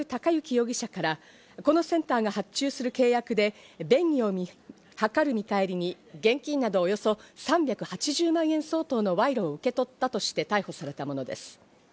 容疑者からこのセンターが発注する契約で、便宜を図る見返りに、現金など、およそ３８０万円相当の賄賂を受け取ったとして逮捕されたものです。